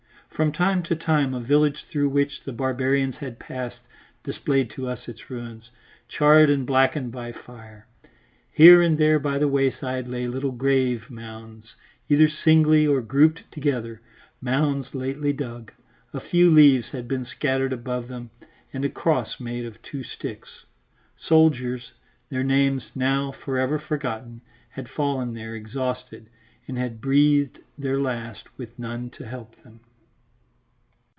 From time to time a village through which the barbarians had passed displayed to us its ruins, charred and blackened by fire. Here and there by the wayside lay little grave mounds, either singly or grouped together mounds lately dug; a few leaves had been scattered above them and a cross made of two sticks. Soldiers, their names now for ever forgotten, had fallen there exhausted and had breathed their last with none to help them.